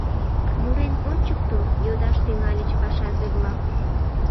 Мурен ончыкто! — йодаш тӱҥальыч пашазе-влак.